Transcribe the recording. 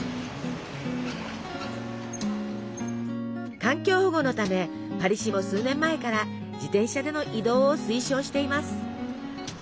環境保護のためパリ市も数年前から自転車での移動を推奨しています。